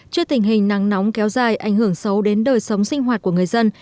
trước tình hình nắng nóng kéo dài ảnh hưởng xấu đến đời sống sinh hoạt của người dân